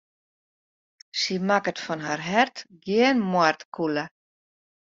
Sy makket fan har hert gjin moardkûle.